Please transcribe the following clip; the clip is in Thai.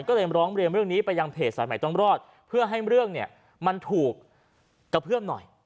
ก็เลยร้องเรียนเรื่องนี้ไปยังเพจสายใหม่ต้องรอดเพื่อให้เรื่องเนี่ยมันถูกกระเพื่อมหน่อย